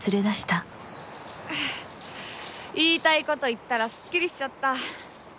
言いたい事言ったらすっきりしちゃった。